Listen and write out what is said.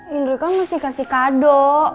indri kan mesti kasih kado